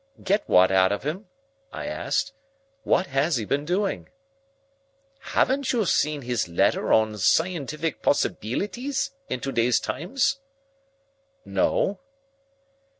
"Get what out of him?" I asked. "What has he been doing?" "Haven't you seen his letter on 'Scientific Possibeelities' in to day's Times?" "No."